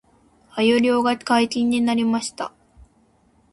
鮎漁が解禁になりました